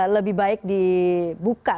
lebih baik dibuka